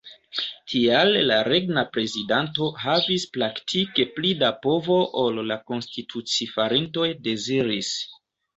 Tial la regna prezidanto havis praktike pli da povo ol la konstituci-farintoj deziris.